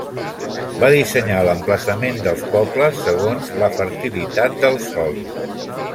Va dissenyar l'emplaçament dels pobles segons la fertilitat del sòl.